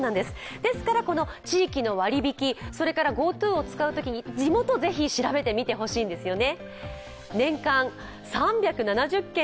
ですから地域の割り引き、それからＧｏＴｏを使うときに地元をぜひ調べてみてほしいんですよね。